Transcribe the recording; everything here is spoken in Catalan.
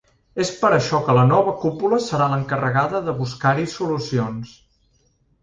És per això que la nova cúpula serà l’encarregada de buscar-hi solucions.